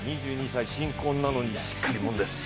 ２２歳、新婚なのにしっかり者です。